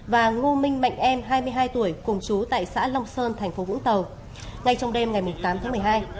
và ngô minh mạnh em hai mươi hai tuổi cùng chú tại xã long sơn tp vũng tàu ngay trong đêm ngày một mươi tám tháng một mươi hai